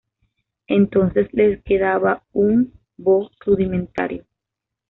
Entonces les quedaba un "bō" rudimentario.